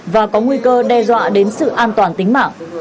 và có nguy cơ đe dọa đến sự an toàn tính mạng